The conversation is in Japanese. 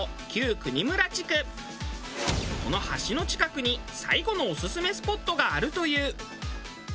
この橋の近くに最後のオススメスポットがあるという。